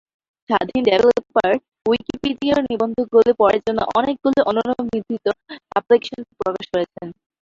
স্বাধীন ডেভেলপার উইকিপিডিয়ার নিবন্ধগুলি পড়ার জন্য অনেকগুলি অননুমোদিত অ্যাপ্লিকেশন প্রকাশ করেছেন।